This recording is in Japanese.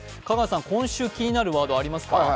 香川さん、今週気になるワードありますか？